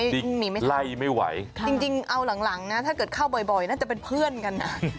จริงไล่ไม่ไหวจริงเอาหลังนะถ้าเกิดเข้าบ่อยน่าจะเป็นเพื่อนกันนะ